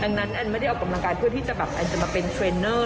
ดังนั้นแอนไม่ได้ออกกำลังกายเพื่อที่จะแบบแอนจะมาเป็นเทรนเนอร์